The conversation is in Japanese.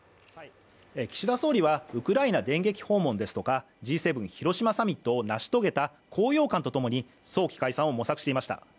岸田総理はウクライナ電撃訪問ですとかＧ７広島サミットを成し遂げた高揚感とともに早期解散を模索していました。